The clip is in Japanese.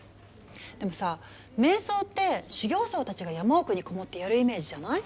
でもさ瞑想って修行僧たちが山奥に籠もってやるイメージじゃない？